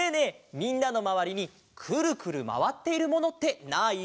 みんなのまわりにくるくるまわっているものってない？